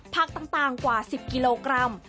ผักต่างกว่า๑๐กิโลกรัม